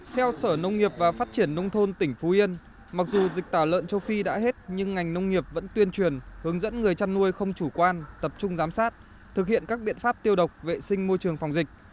theo sở nông nghiệp và phát triển nông thôn tỉnh phú yên mặc dù dịch tả lợn châu phi đã hết nhưng ngành nông nghiệp vẫn tuyên truyền hướng dẫn người chăn nuôi không chủ quan tập trung giám sát thực hiện các biện pháp tiêu độc vệ sinh môi trường phòng dịch